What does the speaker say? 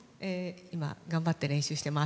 今、頑張って練習してます。